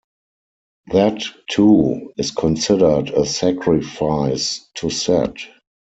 That, too, is considered a sacrifice to Set.